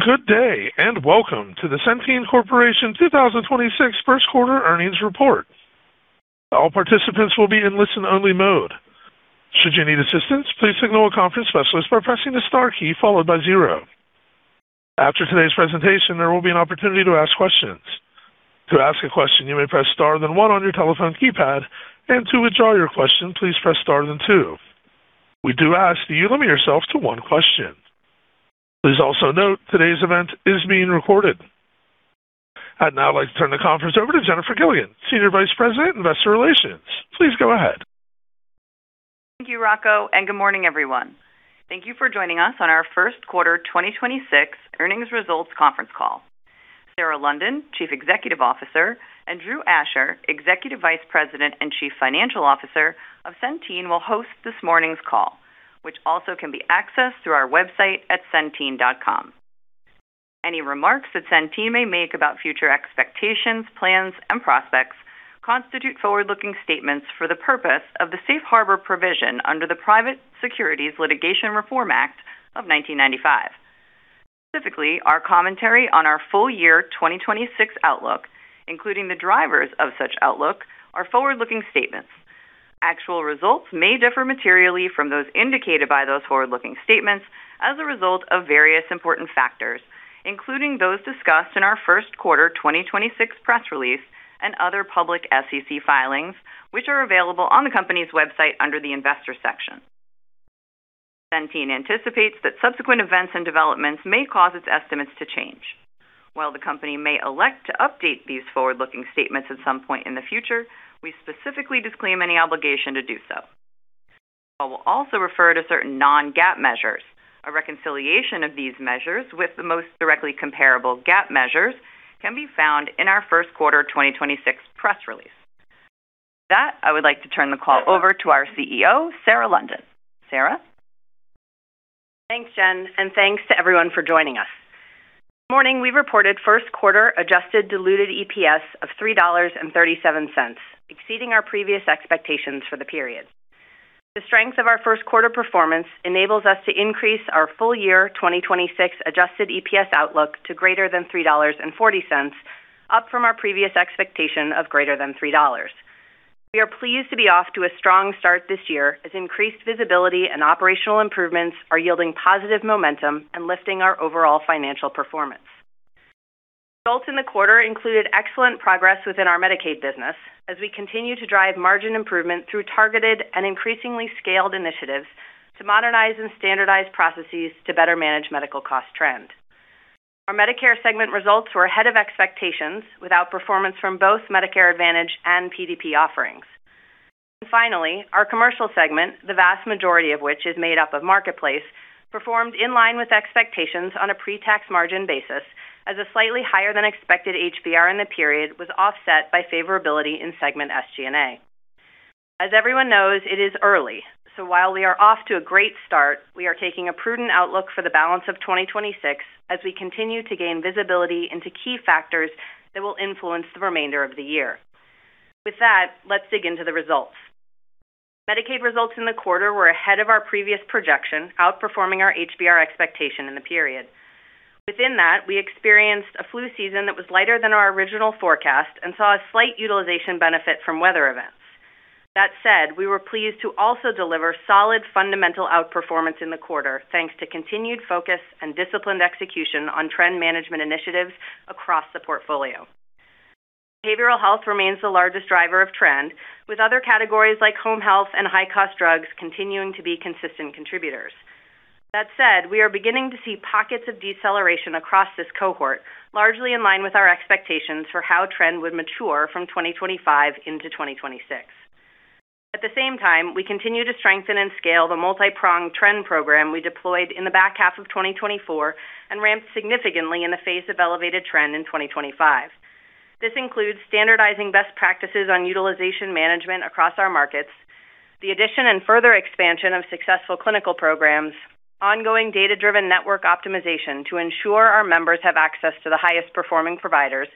Good day, and welcome to the Centene Corporation 2026 first-quarter earnings report. I'd now like to turn the conference over to Jennifer Gilligan, Senior Vice President, Investor Relations. Please go ahead. Thank you, Rocco. Good morning, everyone. Thank you for joining us on our first quarter 2026 earnings results conference call. Sarah London, Chief Executive Officer, and Drew Asher, Executive Vice President and Chief Financial Officer of Centene, will host this morning's call, which also can be accessed through our website at centene.com. Any remarks that Centene may make about future expectations, plans, and prospects constitute forward-looking statements for the purpose of the Safe Harbor provision under the Private Securities Litigation Reform Act of 1995. Specifically, our commentary on our full year 2026 outlook, including the drivers of such outlook, are forward-looking statements. Actual results may differ materially from those indicated by those forward-looking statements as a result of various important factors, including those discussed in our first quarter 2026 press release and other public SEC filings, which are available on the company's website under the investor section. Centene anticipates that subsequent events and developments may cause its estimates to change. While the company may elect to update these forward-looking statements at some point in the future, we specifically disclaim any obligation to do so. I will also refer to certain non-GAAP measures. A reconciliation of these measures with the most directly comparable GAAP measures can be found in our first quarter 2026 press release. With that, I would like to turn the call over to our CEO, Sarah London. Sarah? Thanks, Jen. Thanks to everyone for joining us. This morning, we reported first-quarter adjusted diluted EPS of $3.37, exceeding our previous expectations for the period. The strength of our first quarter performance enables us to increase our full year 2026 adjusted EPS outlook to greater than $3.40, up from our previous expectation of greater than $3.00. We are pleased to be off to a strong start this year, as increased visibility and operational improvements are yielding positive momentum and lifting our overall financial performance. Results in the quarter included excellent progress within our Medicaid business as we continue to drive margin improvement through targeted and increasingly scaled initiatives to modernize and standardize processes to better manage medical cost trend. Our Medicare segment results were ahead of expectations without performance from both Medicare Advantage and PDP offerings. Finally, our commercial segment, the vast majority of which is made up of Marketplace, performed in line with expectations on a pre-tax margin basis as a slightly higher than expected HBR in the period was offset by favorability in segment SG&A. As everyone knows, it is early, so while we are off to a great start, we are taking a prudent outlook for the balance of 2026 as we continue to gain visibility into key factors that will influence the remainder of the year. With that, let's dig into the results. Medicaid results in the quarter were ahead of our previous projection, outperforming our HBR expectation in the period. Within that, we experienced a flu season that was lighter than our original forecast and saw a slight utilization benefit from weather events. That said, we were pleased to also deliver solid fundamental outperformance in the quarter, thanks to continued focus and disciplined execution on trend management initiatives across the portfolio. Behavioral health remains the largest driver of trend, with other categories like home health and high-cost drugs continuing to be consistent contributors. That said, we are beginning to see pockets of deceleration across this cohort, largely in line with our expectations for how trend would mature from 2025 into 2026. At the same time, we continue to strengthen and scale the multi-pronged trend program we deployed in the back half of 2024 and ramped significantly in the face of elevated trend in 2025. This includes standardizing best practices on utilization management across our markets, the addition and further expansion of successful clinical programs, ongoing data-driven network optimization to ensure our members have access to the highest performing providers,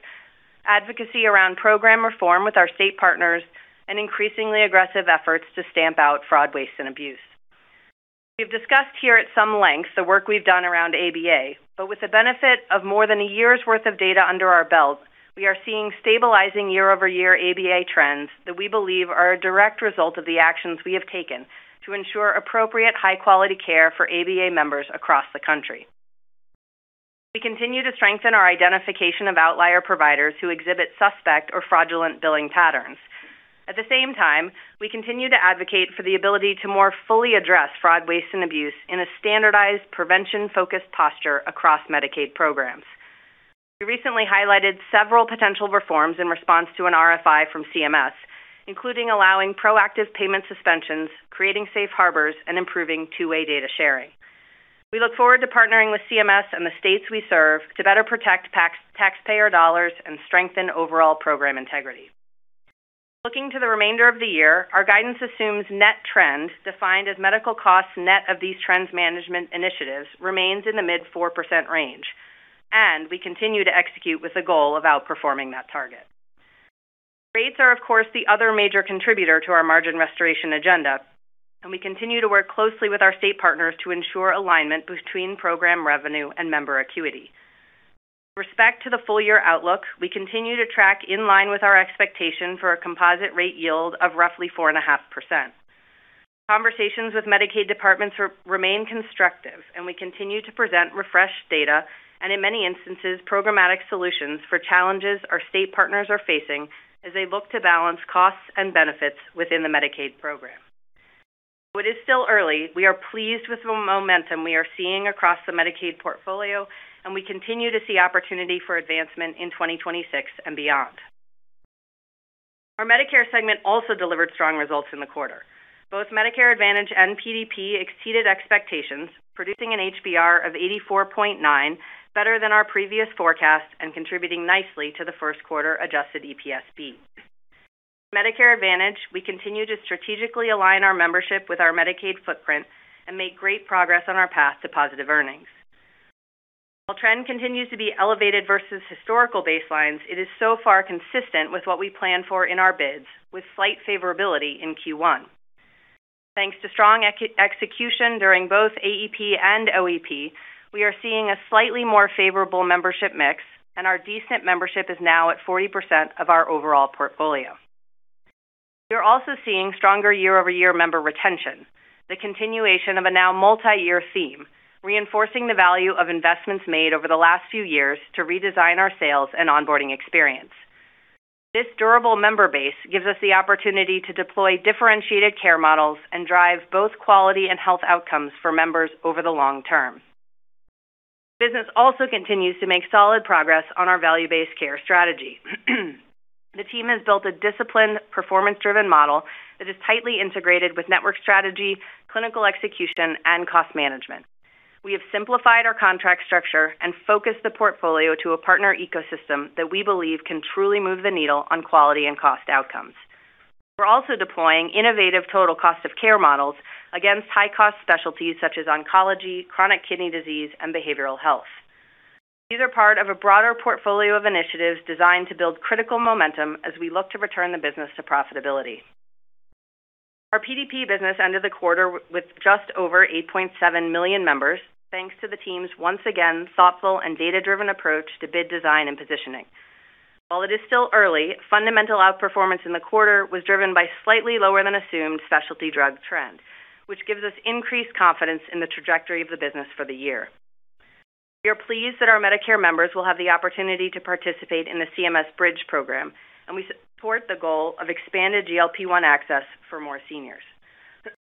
advocacy around program reform with our state partners, and increasingly aggressive efforts to stamp out fraud, waste, and abuse. We've discussed here at some length the work we've done around ABA, but with the benefit of more than a year's worth of data under our belt, we are seeing stabilizing year-over-year ABA trends that we believe are a direct result of the actions we have taken to ensure appropriate high-quality care for ABA members across the country. We continue to strengthen our identification of outlier providers who exhibit suspect or fraudulent billing patterns. At the same time, we continue to advocate for the ability to more fully address fraud, waste, and abuse in a standardized prevention-focused posture across Medicaid programs. We recently highlighted several potential reforms in response to an RFI from CMS, including allowing proactive payment suspensions, creating safe harbors, and improving two-way data sharing. We look forward to partnering with CMS and the states we serve to better protect tax, taxpayer dollars and strengthen overall program integrity. Looking to the remainder of the year, our guidance assumes net trend, defined as medical costs net of these trends management initiatives, remains in the mid 4% range, and we continue to execute with the goal of outperforming that target. Rates are, of course, the other major contributor to our margin restoration agenda. We continue to work closely with our state partners to ensure alignment between program revenue and member acuity. With respect to the full year outlook, we continue to track in line with our expectation for a composite rate yield of roughly 4.5%. Conversations with Medicaid departments remain constructive and we continue to present refreshed data and, in many instances, programmatic solutions for challenges our state partners are facing as they look to balance costs and benefits within the Medicaid program. While it is still early, we are pleased with the momentum we are seeing across the Medicaid portfolio, and we continue to see opportunity for advancement in 2026 and beyond. Our Medicare segment also delivered strong results in the quarter. Both Medicare Advantage and PDP exceeded expectations, producing an HBR of 84.9, better than our previous forecast and contributing nicely to the first quarter adjusted EPS beat. Medicare Advantage, we continue to strategically align our membership with our Medicaid footprint and make great progress on our path to positive earnings. While trend continues to be elevated versus historical baselines, it is so far consistent with what we plan for in our bids, with slight avorability in Q1. Thanks to strong execution during both AEP and OEP, we are seeing a slightly more favorable membership mix, and our D-SNP membership is now at 40% of our overall portfolio. We are also seeing stronger year-over-year member retention, the continuation of a now multi-year theme, reinforcing the value of investments made over the last few years to redesign our sales and onboarding experience. This durable member base gives us the opportunity to deploy differentiated care models and drive both quality and health outcomes for members over the long term. The business also continues to make solid progress on our value-based care strategy. The team has built a disciplined, performance-driven model that is tightly integrated with network strategy, clinical execution, and cost management. We have simplified our contract structure and focused the portfolio to a partner ecosystem that we believe can truly move the needle on quality and cost outcomes. We're also deploying innovative total cost of care models against high-cost specialties such as oncology, chronic kidney disease, and behavioral health. These are part of a broader portfolio of initiatives designed to build critical momentum as we look to return the business to profitability. Our PDP business ended the quarter with just over 8.7 million members, thanks to the team's once again thoughtful and data-driven approach to bid design and positioning. While it is still early, fundamental outperformance in the quarter was driven by slightly lower than assumed specialty drug trends, which gives us increased confidence in the trajectory of the business for the year. We are pleased that our Medicare members will have the opportunity to participate in the CMS Bridge Program, and we support the goal of expanded GLP-1 access for more seniors.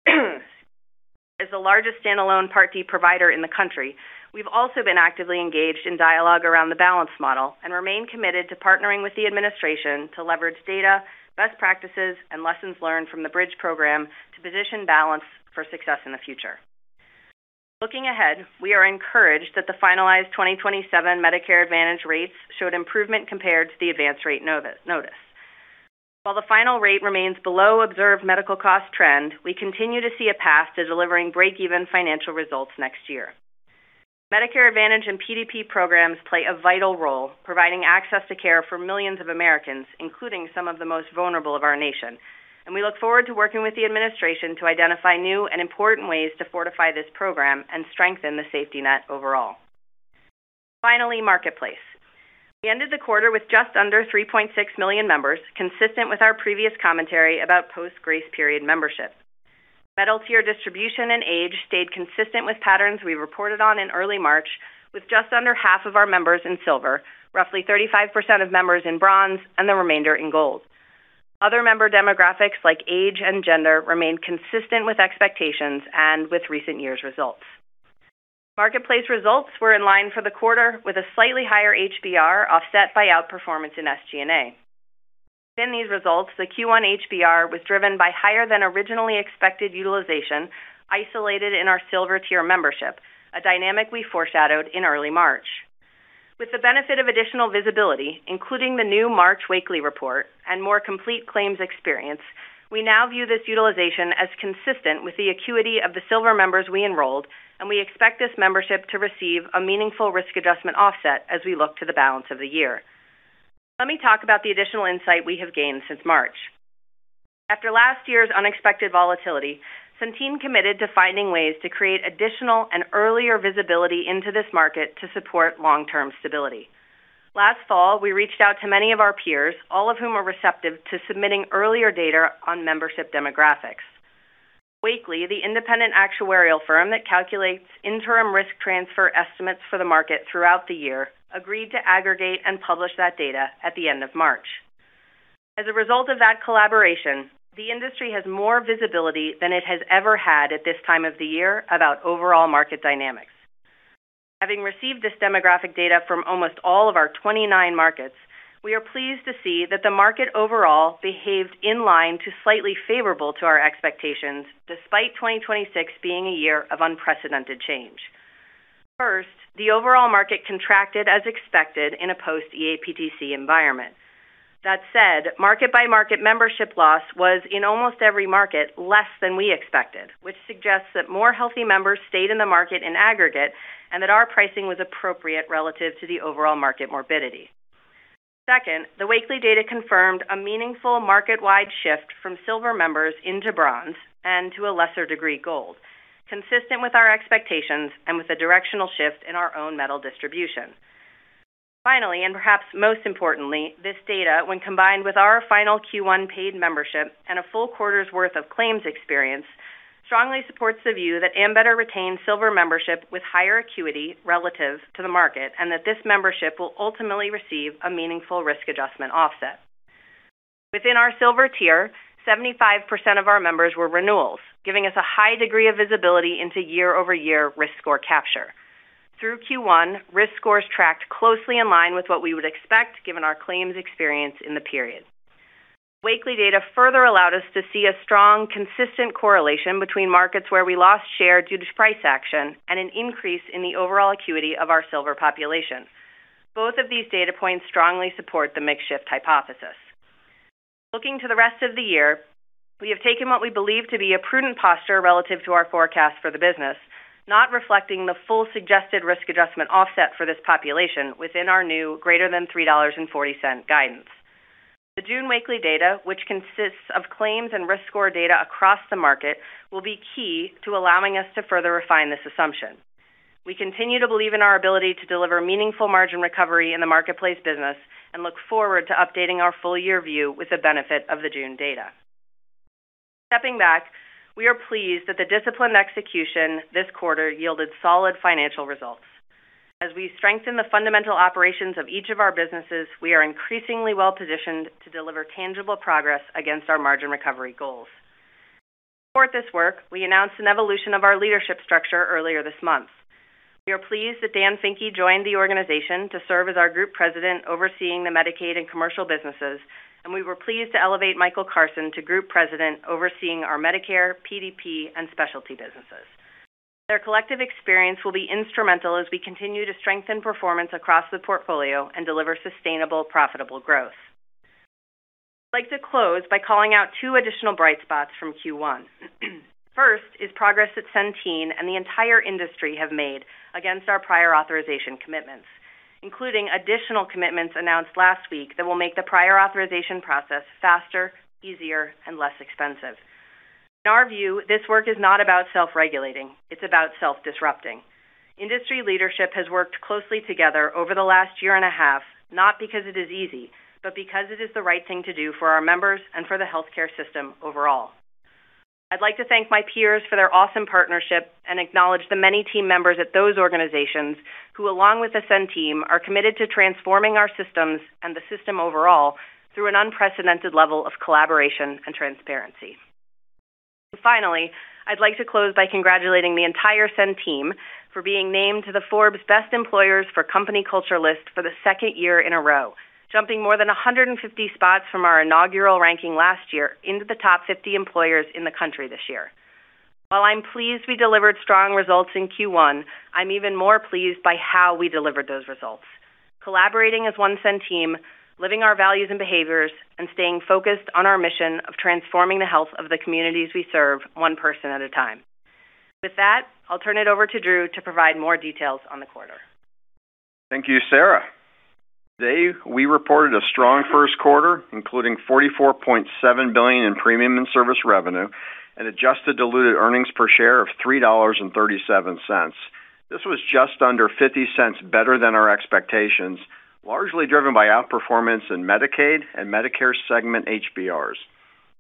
As the largest standalone Part D provider in the country, we've also been actively engaged in dialogue around the BALANCE Model and remain committed to partnering with the administration to leverage data, best practices, and lessons learned from the Bridge Program to position BALANCE for success in the future. Looking ahead, we are encouraged that the finalized 2027 Medicare Advantage rates showed improvement compared to the advanced rate notice. While the final rate remains below observed medical cost trend, we continue to see a path to delivering break-even financial results next year. Medicare Advantage and PDP programs play a vital role providing access to care for millions of Americans, including some of the most vulnerable of our nation, and we look forward to working with the administration to identify new and important ways to fortify this program and strengthen the safety net overall. Finally, Marketplace. We ended the quarter with just under 3.6 million members, consistent with our previous commentary about post-grace period membership. Metal tier distribution and age stayed consistent with patterns we reported on in early March, with just under half of our members in Silver, roughly 35% of members in Bronze, and the remainder in Gold. Other member demographics, like age and gender, remained consistent with expectations and with recent years' results. Marketplace results were in line for the quarter with a slightly higher HBR offset by outperformance in SG&A. Within these results, the Q1 HBR was driven by higher than originally expected utilization isolated in our Silver tier membership, a dynamic we foreshadowed in early March. With the benefit of additional visibility, including the new March Wakely report and more complete claims experience, we now view this utilization as consistent with the acuity of the Silver members we enrolled, and we expect this membership to receive a meaningful risk adjustment offset as we look to the balance of the year. Let me talk about the additional insight we have gained since March. After last year's unexpected volatility, Centene committed to finding ways to create additional and earlier visibility into this market to support long-term stability. Last fall, we reached out to many of our peers, all of whom were receptive to submitting earlier data on membership demographics. Wakely, the independent actuarial firm that calculates interim risk transfer estimates for the market throughout the year, agreed to aggregate and publish that data at the end of March. As a result of that collaboration, the industry has more visibility than it has ever had at this time of the year about overall market dynamics. Having received this demographic data from almost all of our 29 markets, we are pleased to see that the market overall behaved in line to slightly favorable to, our expectations, despite 2026 being a year of unprecedented change. First, the overall market contracted as expected in a post-eAPTC environment. That said, market-by-market membership loss was in almost every market less than we expected, which suggests that more healthy members stayed in the market in aggregate and that our pricing was appropriate relative to the overall market morbidity. Second, the Wakely data confirmed a meaningful market-wide shift from Silver members into Bronze and, to a lesser degree, Gold, consistent with our expectations and with the directional shift in our own metal distribution. Finally, and perhaps most importantly, this data, when combined with our final Q1 paid membership and a full quarter's worth of claims experience, strongly supports the view that Ambetter retains Silver membership with higher acuity relative to the market, and that this membership will ultimately receive a meaningful risk adjustment offset. Within our Silver tier, 75% of our members were renewals, giving us a high degree of visibility into year-over-year risk score capture. Through Q1, risk scores tracked closely in line with what we would expect given our claims experience in the period. Wakely data further allowed us to see a strong, consistent correlation between markets where we lost share due to price action and an increase in the overall acuity of our Silver population. Both of these data points strongly support the makeshift hypothesis. Looking to the rest of the year, we have taken what we believe to be a prudent posture relative to our forecast for the business, not reflecting the full suggested risk adjustment offset for this population within our new, greater than $3.40 guidance. The June Wakely data, which consists of claims and risk score data across the market, will be key to allowing us to further refine this assumption. We continue to believe in our ability to deliver meaningful margin recovery in the Marketplace business and look forward to updating our full-year view with the benefit of the June data. Stepping back, we are pleased that the disciplined execution this quarter yielded solid financial results. As we strengthen the fundamental operations of each of our businesses, we are increasingly well-positioned to deliver tangible progress against our margin recovery goals. To support this work, we announced an evolution of our leadership structure earlier this month. We are pleased that Dan Finke joined the organization to serve as our Group President overseeing the Medicaid and commercial businesses, and we were pleased to elevate Michael Carson to Group President overseeing our Medicare, PDP, and specialty businesses. Their collective experience will be instrumental as we continue to strengthen performance across the portfolio and deliver sustainable, profitable growth. I'd like to close by calling out two additional bright spots from Q1. First is progress that Centene and the entire industry have made against our prior authorization commitments, including additional commitments announced last week that will make the prior authorization process faster, easier, and less expensive. In our view, this work is not about self-regulating, it's about self-disrupting. Industry leadership has worked closely together over the last year and a half, not because it is easy, but because it is the right thing to do for our members and for the healthcare system overall. I'd like to thank my peers for their awesome partnership and acknowledge the many team members at those organizations who, along with the Centene team, are committed to transforming our systems and the system overall through an unprecedented level of collaboration and transparency. Finally, I'd like to close by congratulating the entire Cen team for being named to the Forbes Best Employers for Company Culture list for the second year in a row, jumping more than 150 spots from our inaugural ranking last year into the top 50 employers in the country this year. While I'm pleased we delivered strong results in Q1, I'm even more pleased by how we delivered those results. Collaborating as one Cen team, living our values and behaviors, and staying focused on our mission of transforming the health of the communities we serve, one person at a time. With that, I'll turn it over to Drew to provide more details on the quarter. Thank you, Sarah. Today, we reported a strong first quarter, including $44.7 billion in premium and service revenue and adjusted diluted earnings per share of $3.37. This was just under $0.50 better than our expectations, largely driven by outperformance in Medicaid and Medicare segment HBRs.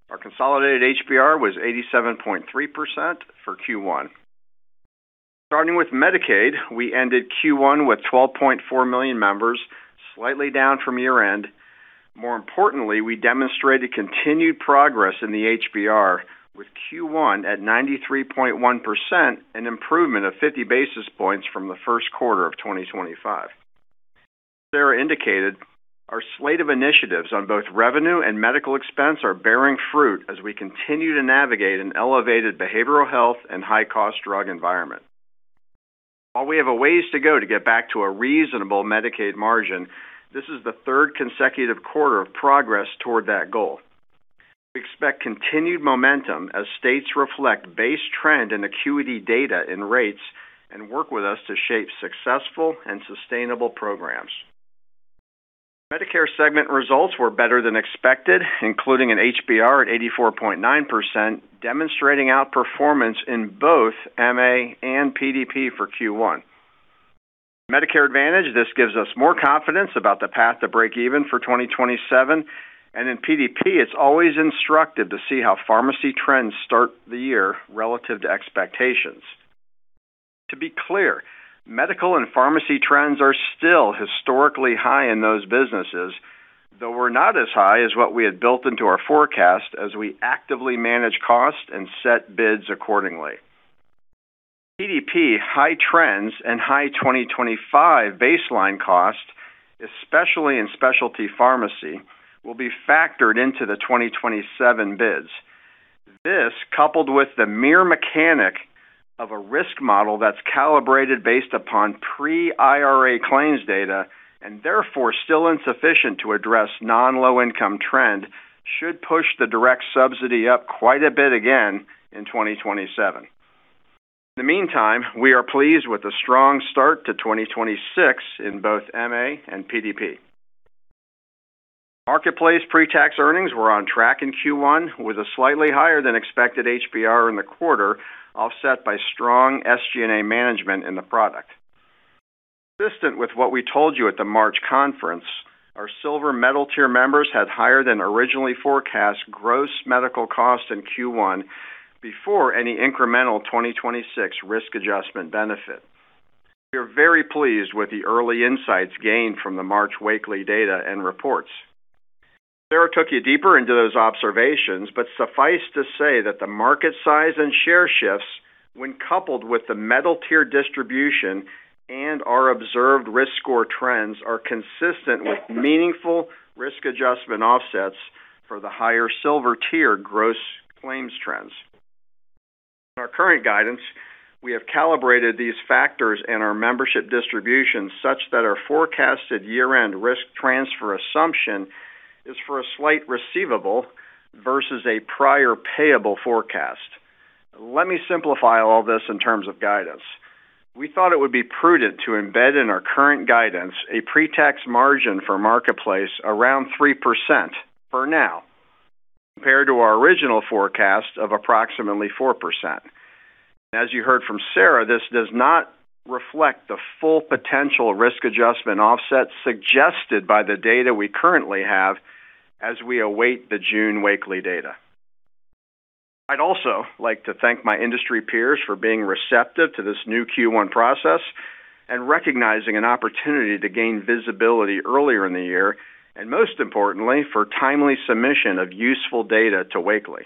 Our consolidated HBR was 87.3% for Q1. Starting with Medicaid, we ended Q1 with 12.4 million members, slightly down from year-end. More importantly, we demonstrated continued progress in the HBR with Q1 at 93.1%, an improvement of 50 basis points from the first quarter of 2025. Sarah indicated our slate of initiatives on both revenue and medical expense are bearing fruit as we continue to navigate an elevated behavioral health and high-cost drug environment. While we have a ways to go to get back to a reasonable Medicaid margin, this is the third consecutive quarter of progress toward that goal. We expect continued momentum as states reflect base trend and acuity data in rates and work with us to shape successful and sustainable programs. Medicare segment results were better than expected, including an HBR at 84.9%, demonstrating outperformance in both MA and PDP for Q1. Medicare Advantage, this gives us more confidence about the path to breakeven for 2027, and in PDP, it's always instructed to see how pharmacy trends start the year relative to expectations. To be clear, medical and pharmacy trends are still historically high in those businesses, though were not as high as what we had built into our forecast as we actively manage costs and set bids accordingly. PDP high trends and high 2025 baseline costs, especially in specialty pharmacy, will be factored into the 2027 bids. This, coupled with the mere mechanic of a risk model that's calibrated based upon pre-IRA claims data and therefore still insufficient to address non low-income trend, should push the direct subsidy up quite a bit again in 2027. In the meantime, we are pleased with the strong start to 2026 in both MA and PDP. Marketplace pre-tax earnings were on track in Q1, with a slightly higher than expected HBR in the quarter, offset by strong SG&A management in the product. Consistent with what we told you at the March conference, our Silver metal tier members had higher than originally forecast gross medical costs in Q1 before any incremental 2026 risk adjustment benefit. We are very pleased with the early insights gained from the March Wakely data and reports. Sarah took you deeper into those observations, but suffice to say that the market size and share shifts when coupled with the metal tier distribution and our observed risk score trends are consistent with meaningful risk adjustment offsets for the higher Silver tier gross claims trends. In our current guidance, we have calibrated these factors in our membership distribution such that our forecasted year-end risk transfer assumption is for a slight receivable versus a prior payable forecast. Let me simplify all this in terms of guidance. We thought it would be prudent to embed in our current guidance a pre-tax margin for Marketplace around 3% for now, compared to our original forecast of approximately 4%. As you heard from Sarah, this does not reflect the full potential risk adjustment offset suggested by the data we currently have, as we await the June Wakely data. I'd also like to thank my industry peers for being receptive to this new Q1 process and recognizing an opportunity to gain visibility earlier in the year, and most importantly, for timely submission of useful data to Wakely.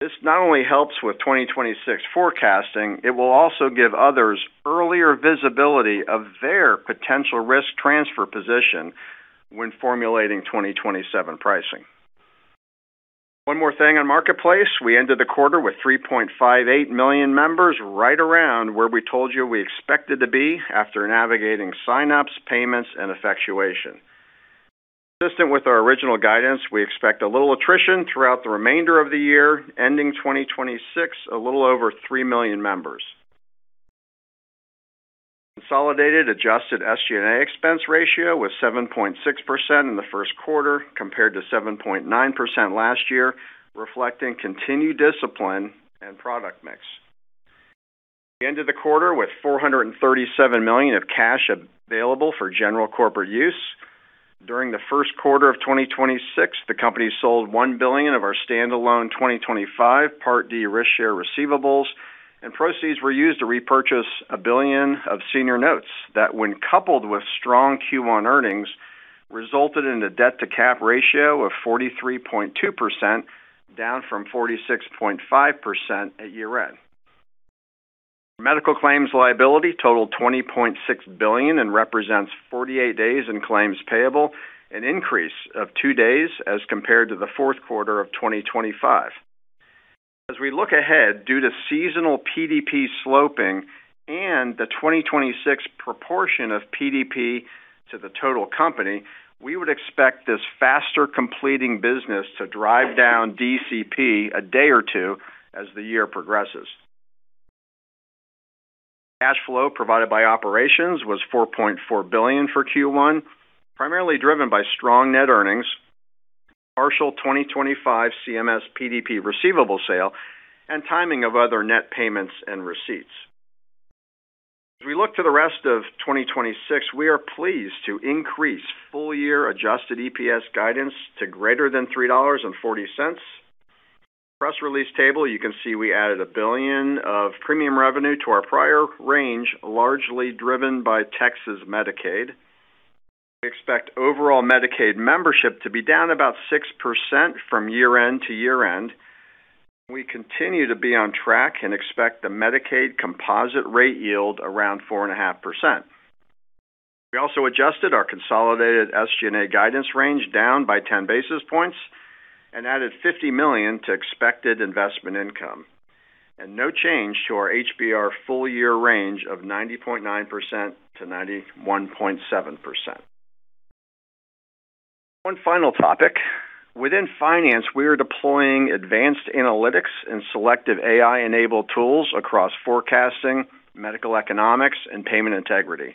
This not only helps with 2026 forecasting, it will also give others earlier visibility of their potential risk transfer position when formulating 2027 pricing. One more thing on Marketplace. We ended the quarter with 3.58 million members, right around where we told you we expected to be after navigating sign-ups, payments, and effectuation. Consistent with our original guidance, we expect a little attrition throughout the remainder of the year, ending 2026 a little over 3 million members. Consolidated adjusted SG&A expense ratio was 7.6% in the first quarter, compared to 7.9% last year, reflecting continued discipline and product mix. We ended the quarter with $437 million of cash available for general corporate use. During the first quarter of 2026, the company sold $1 billion of our standalone 2025 Part D risk share receivables, and proceeds were used to repurchase $1 billion of senior notes that, when coupled with strong Q1 earnings, resulted in a debt-to-cap ratio of 43.2%, down from 46.5% at year-end. Medical claims liability totaled $20.6 billion and represents 48 days in claims payable, an increase of two days as compared to the fourth quarter of 2025. As we look ahead, due to seasonal PDP sloping and the 2026 proportion of PDP to the total company, we would expect this faster completing business to drive down DCP a day or two as the year progresses. Cash flow provided by operations was $4.4 billion for Q1, primarily driven by strong net earnings, partial 2025 CMS PDP receivable sale, and timing of other net payments and receipts. As we look to the rest of 2026, we are pleased to increase full-year adjusted EPS guidance to greater than $3.40. Press release table, you can see we added $1 billion of premium revenue to our prior range, largely driven by Texas Medicaid. We expect overall Medicaid membership to be down about 6% from year-end to year-end. We continue to be on track and expect the Medicaid composite rate yield around 4.5%. We also adjusted our consolidated SG&A guidance range down by 10 basis points and added $50 million to expected investment income. No change to our HBR full year range of 90.9%-91.7%. One final topic. Within finance, we are deploying advanced analytics and selective AI-enabled tools across forecasting, medical economics, and payment integrity.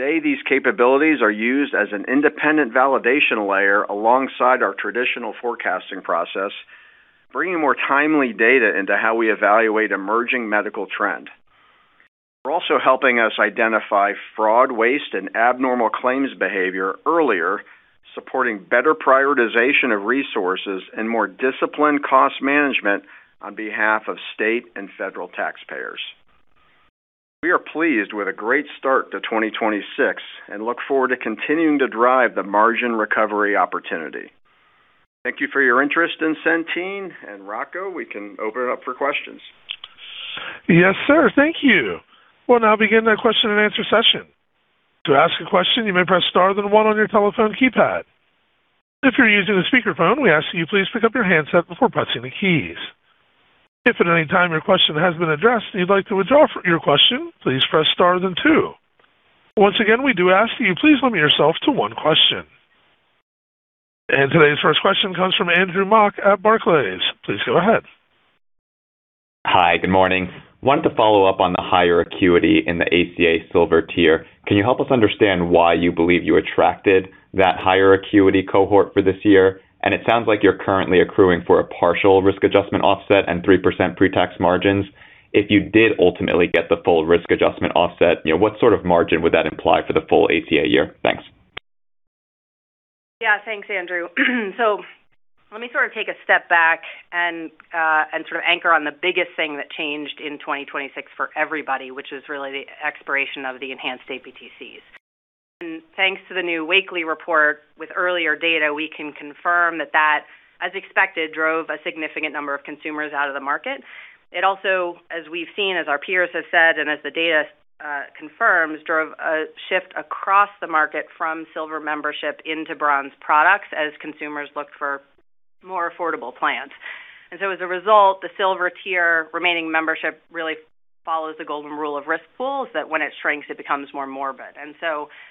Today, these capabilities are used as an independent validation layer alongside our traditional forecasting process, bringing more timely data into how we evaluate emerging medical trend. They're also helping us identify fraud, waste, and abnormal claims behavior earlier, supporting better prioritization of resources and more disciplined cost management on behalf of state and federal taxpayers. We are pleased with a great start to 2026 and look forward to continuing to drive the margin recovery opportunity. Thank you for your interest in Centene. Rocco, we can open it up for questions. Yes, sir. Thank you. We'll now begin that question and answer session. To ask a question, you may press star then one on your telephone keypad. If you're using a speakerphone, we ask that you please pick up your handset before pressing the keys. If at any time your question has been addressed and you'd like to withdraw from your question, please press star then two. Once again, we do ask that you please limit yourself to one question. Today's first question comes from Andrew Mok at Barclays. Please go ahead. Hi. Good morning. Wanted to follow up on the higher acuity in the ACA Silver tier. Can you help us understand why you believe you attracted that higher acuity cohort for this year? It sounds like you're currently accruing for a partial risk adjustment offset and 3% pretax margins. If you did ultimately get the full risk adjustment offset, you know, what sort of margin would that imply for the full ACA year? Thanks. Yeah. Thanks, Andrew. Let me sort of take a step back and sort of anchor on the biggest thing that changed in 2026 for everybody, which is really the expiration of the enhanced APTCs. Thanks to the new Wakely report with earlier data, we can confirm that, as expected, drove a significant number of consumers out of the market. It also, as we've seen, as our peers have said, and as the data confirms, drove a shift across the market from Silver membership into Bronze products as consumers looked for more affordable plans. As a result, the Silver tier remaining membership really follows the golden rule of risk pools, that when it shrinks, it becomes more morbid.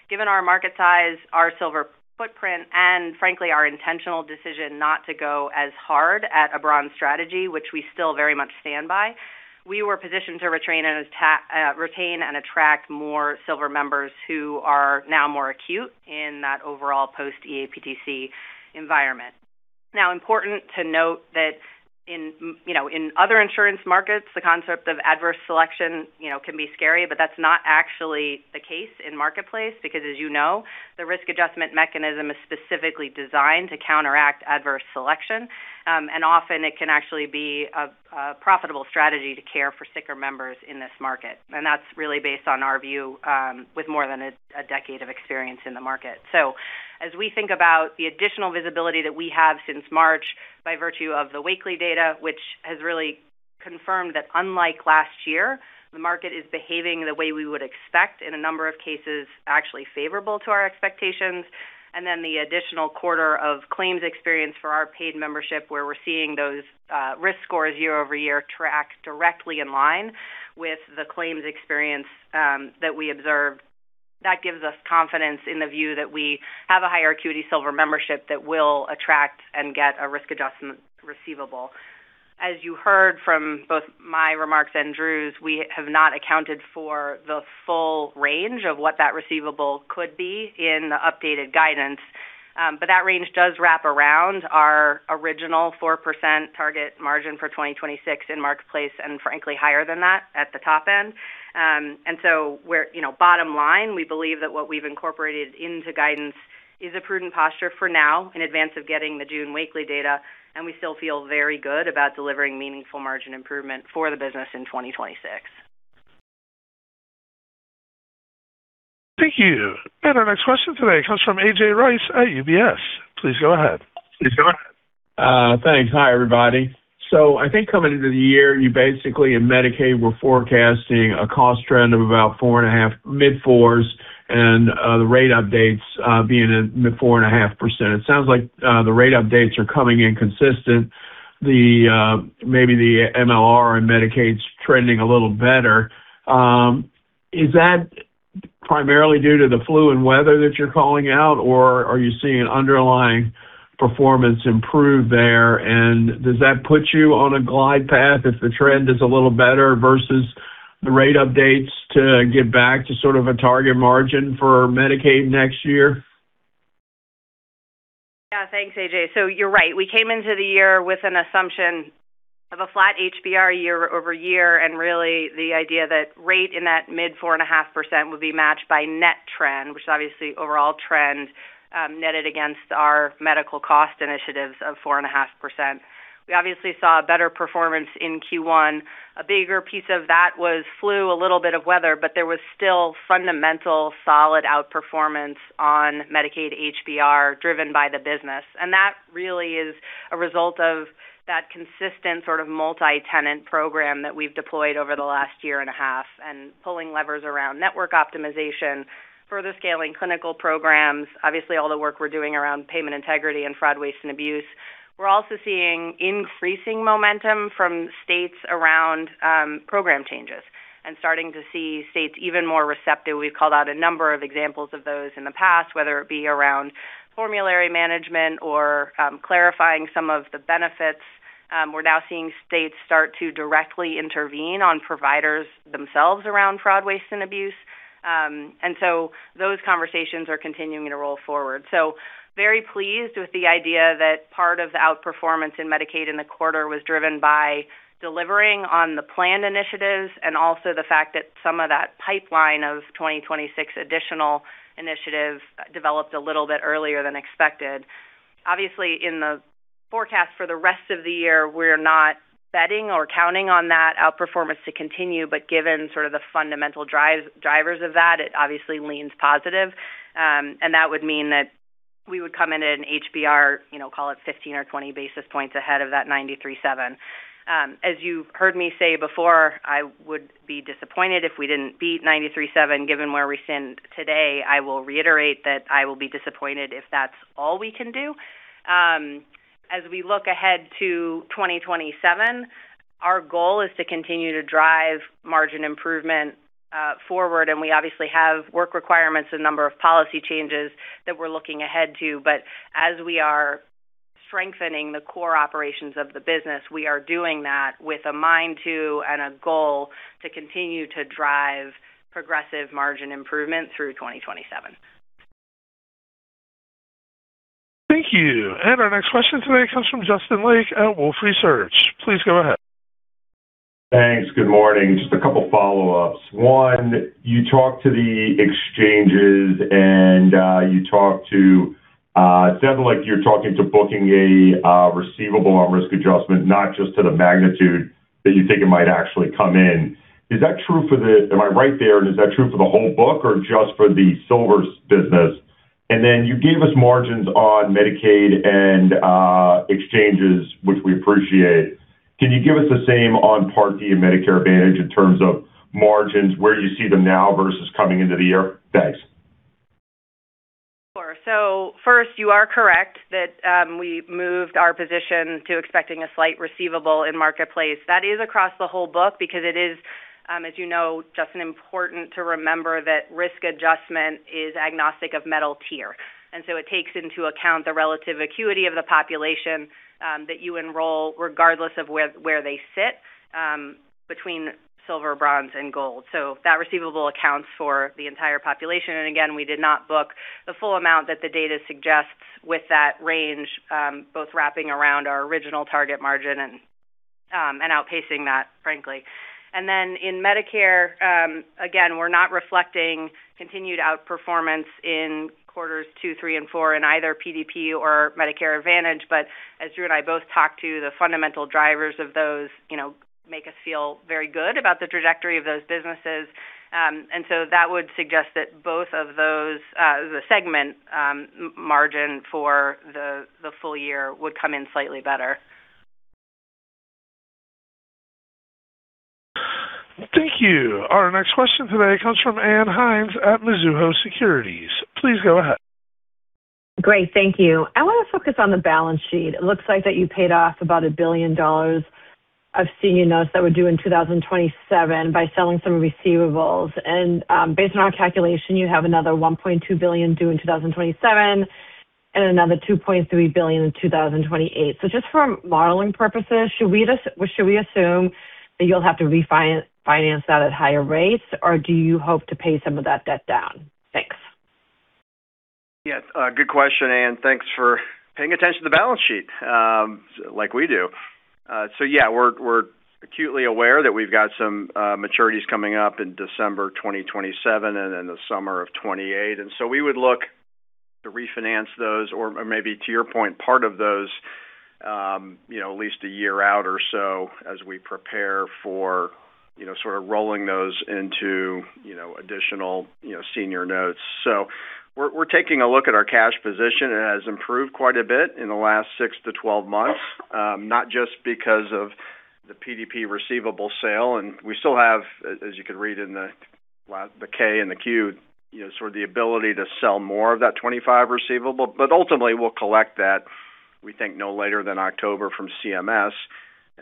Given our market size, our Silver footprint, and frankly, our intentional decision not to go as hard at a Bronze strategy, which we still very much stand by, we were positioned to retain and attract more Silver members who are now more acute in that overall post-eAPTC environment. Now, important to note that in, you know, in other insurance markets, the concept of adverse selection, you know, can be scary, but that's not actually the case in Marketplace because, as you know, the risk adjustment mechanism is specifically designed to counteract adverse selection, and often it can actually be a profitable strategy to care for sicker members in this market. That's really based on our view, with more than a decade of experience in the market. As we think about the additional visibility that we have since March by virtue of the Wakely data, which has really confirmed that unlike last year, the market is behaving the way we would expect, in a number of cases, actually favorable to our expectations, and then the additional quarter of claims experience for our paid membership, where we're seeing those risk scores year-over-year track directly in line with the claims experience that we observed, that gives us confidence in the view that we have a higher acuity Silver membership that will attract and get a risk adjustment receivable. As you heard from both my remarks and Drew's, we have not accounted for the full range of what that receivable could be in the updated guidance, but that range does wrap around our original 4% target margin for 2026 in Marketplace, and frankly, higher than that at the top end. You know, bottom line, we believe that what we've incorporated into guidance is a prudent posture for now in advance of getting the June Wakely data, and we still feel very good about delivering meaningful margin improvement for the business in 2026. Thank you. Our next question today comes from A.J. Rice at UBS. Please go ahead. Thanks. Hi, everybody. I think coming into the year, you basically, in Medicaid, were forecasting a cost trend of about 4.5, mid-4s, and the rate updates being at mid-4.5%. It sounds like the rate updates are coming in consistent. Maybe the MLR in Medicaid's trending a little better. Is that primarily due to the flu and weather that you're calling out, or are you seeing underlying performance improve there? Does that put you on a glide path if the trend is a little better versus the rate updates to get back to sort of a target margin for Medicaid next year? Yeah. Thanks, A.J. You're right. We came into the year with an assumption of a flat HBR year-over-year, and really the idea that rate in that mid 4.5% would be matched by net trend, which is obviously overall trend, netted against our medical cost initiatives of 4.5%. We obviously saw a better performance in Q1. A bigger piece of that was flu, a little bit of weather, but there was still fundamental solid outperformance on Medicaid HBR driven by the business. That really is a result of that consistent sort of multi-tenant program that we've deployed over the last 1.5 years and pulling levers around network optimization, further scaling clinical programs, obviously, all the work we're doing around payment integrity and fraud, waste, and abuse. We're also seeing increasing momentum from states around program changes and starting to see states even more receptive. We've called out a number of examples of those in the past, whether it be around formulary management or clarifying some of the benefits. We're now seeing states start to directly intervene on providers themselves around fraud, waste, and abuse. Those conversations are continuing to roll forward. Very pleased with the idea that part of the outperformance in Medicaid in the quarter was driven by delivering on the planned initiatives, and also the fact that some of that pipeline of 2026 additional initiatives developed a little bit earlier than expected. Obviously, in the forecast for the rest of the year, we're not betting or counting on that outperformance to continue, but given sort of the fundamental drivers of that, it obviously leans positive. And that would mean that we would come in at an HBR, you know, call it 15 or 20 basis points ahead of that 93.7. As you've heard me say before, I would be disappointed if we didn't beat 93.7 given where we stand today. I will reiterate that I will be disappointed if that's all we can do. As we look ahead to 2027, our goal is to continue to drive margin improvement forward. We obviously have work requirements, a number of policy changes that we're looking ahead to. As we are strengthening the core operations of the business, we are doing that with a mind to and a goal to continue to drive progressive margin improvement through 2027. Thank you. Our next question today comes from Justin Lake at Wolfe Research. Please go ahead. Thanks. Good morning. Just a couple follow-ups. One, you talked to the exchanges, and it sounded like you're talking to booking a receivable on risk adjustment, not just to the magnitude that you think it might actually come in. Am I right there, and is that true for the whole book or just for the Silver business? Then you gave us margins on Medicaid and exchanges, which we appreciate. Can you give us the same on Part D and Medicare Advantage in terms of margins, where you see them now versus coming into the year? Thanks. Sure. First, you are correct that we moved our position to expecting a slight receivable in Marketplace. That is across the whole book because it is, as you know, Justin, important to remember that risk adjustment is agnostic of metal tier. It takes into account the relative acuity of the population that you enroll, regardless of where they sit between Silver, Bronze, and Gold. That receivable accounts for the entire population. Again, we did not book the full amount that the data suggests with that range, both wrapping around our original target margin and outpacing that, frankly. In Medicare, again, we're not reflecting continued outperformance in quarters two, three, and four in either PDP or Medicare Advantage. As Drew and I both talked to, the fundamental drivers of those, you know, make us feel very good about the trajectory of those businesses. That would suggest that both of those, the segment margin for the full year, would come in slightly better. Thank you. Our next question today comes from Ann Hynes at Mizuho Securities. Please go ahead. Great. Thank you. I want to focus on the balance sheet. It looks like that you paid off about $1 billion of senior notes that were due in 2027 by selling some receivables. Based on our calculation, you have another $1.2 billion due in 2027 and another $2.3 billion in 2028. Just for modeling purposes, should we assume that you'll have to refi-finance that at higher rates, or do you hope to pay some of that debt down? Thanks. Yes. Good question, Ann. Thanks for paying attention to the balance sheet, like we do. Yeah, we're acutely aware that we've got some maturities coming up in December 2027 and in the summer of 2028. We would look to refinance those or maybe to your point, part of those, you know, at least a year out or so as we prepare for, you know, sort of rolling those into, you know, additional, you know, senior notes. We're taking a look at our cash position. It has improved quite a bit in the last six to 12 months, not just because of the PDP receivable sale. We still have, as you can read in the K and the Q, you know, sort of the ability to sell more of that 2025 receivable. Ultimately, we'll collect that, we think, no later than October from CMS.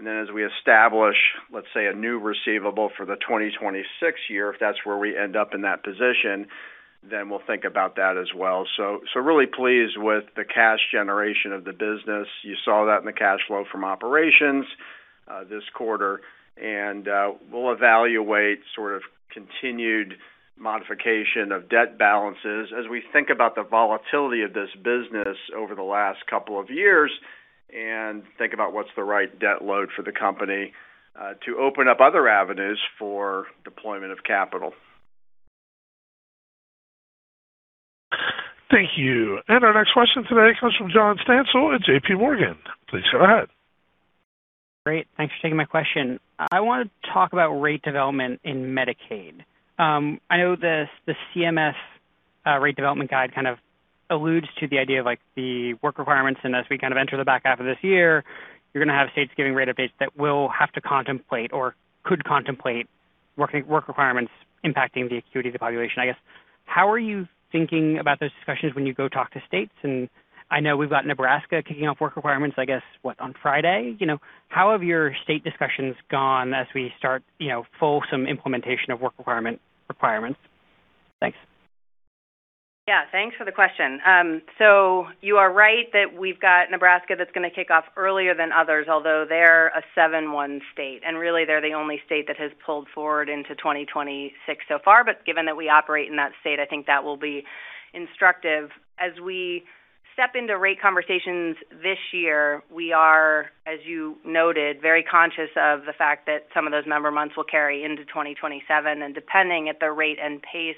As we establish, let's say, a new receivable for the 2026 year, if that's where we end up in that position, then we'll think about that as well. Really pleased with the cash generation of the business. You saw that in the cash flow from operations this quarter. We'll evaluate sort of continued modification of debt balances as we think about the volatility of this business over the last couple of years and think about what's the right debt load for the company to open up other avenues for deployment of capital. Thank you. Our next question today comes from John Stansel at JPMorgan. Please go ahead. Great. Thanks for taking my question. I want to talk about rate development in Medicaid. I know the CMS rate development guide kind of alludes to the idea of, like, the work requirements. As we kind of enter the back half of this year, you're gonna have states giving rate updates that will have to contemplate or could contemplate work requirements impacting the acuity of the population, I guess. How are you thinking about those discussions when you go talk to states? I know we've got Nebraska kicking off work requirements, I guess, what, on Friday. You know, how have your state discussions gone as we start, you know, fulsome implementation of work requirements? Thanks. Yeah. Thanks for the question. You are right that we've got Nebraska, that's gonna kick off earlier than others, although they're a seven-one state, and really, they're the only state that has pulled forward into 2026 so far. Given that we operate in that state, I think that will be instructive. As we step into rate conversations this year, we are, as you noted, very conscious of the fact that some of those member months will carry into 2027. Depending at the rate and pace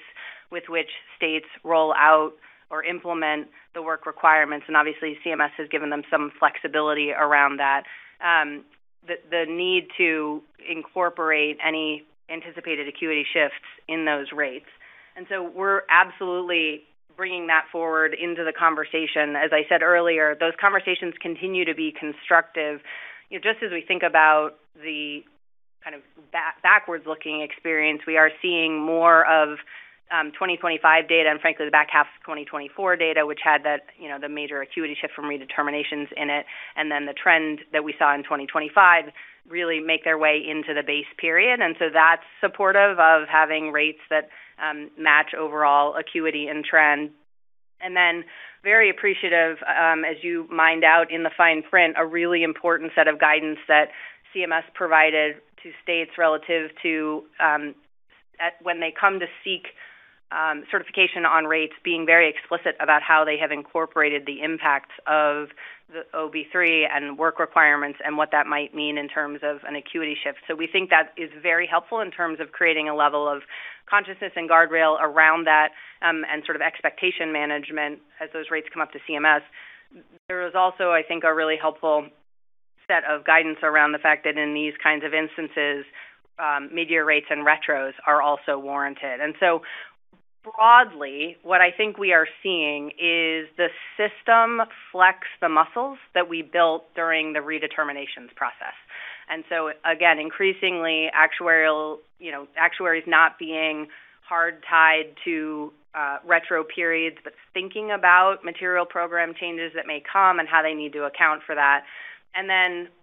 with which states roll out or implement the work requirements, and obviously, CMS has given them some flexibility around that, the need to incorporate any anticipated acuity shifts in those rates. We're absolutely bringing that forward into the conversation. As I said earlier, those conversations continue to be constructive. You know, just as we think about the kind of backwards-looking experience, we are seeing more of 2025 data, and frankly, the back half of 2024 data, which had that, you know, the major acuity shift from redeterminations in it, the trend that we saw in 2025 really make their way into the base period. That's supportive of having rates that match overall acuity and trend. Very appreciative, as you mined out in the fine print, a really important set of guidance that CMS provided to states relative to when they come to seek certification on rates, being very explicit about how they have incorporated the impacts of the OB3 and work requirements and what that might mean in terms of an acuity shift. We think that is very helpful in terms of creating a level of consciousness and guardrail around that, and sort of expectation management as those rates come up to CMS. There is also, I think, a really helpful set of guidance around the fact that in these kinds of instances, Medicaid rates and retros are also warranted. Broadly, what I think we are seeing is the system flex the muscles that we built during the redeterminations process. Again, increasingly actuarial, you know, actuaries not being hard tied to retro periods, but thinking about material program changes that may come and how they need to account for that.